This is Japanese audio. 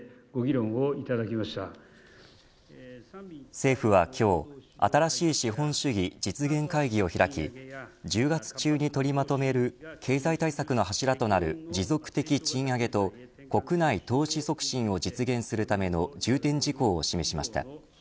政府は今日新しい資本主義実現会議を開き１０月中に取りまとめる経済対策の柱となる持続的賃上げと国内投資促進を実現するための重点事項を示しました。